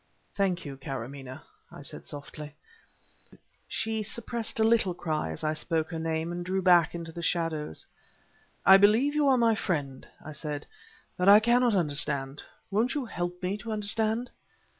"Thank you, Karamaneh," I said, softly. She suppressed a little cry as I spoke her name, and drew back into the shadows. "I believe you are my friend," I said, "but I cannot understand. Won't you help me to understand?"